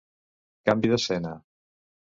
Canvi d'escena.